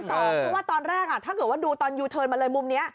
เพราะว่าตอนแรกถ้าเกิดว่าดูตอนยูเทิร์นมาเลยมุมนี้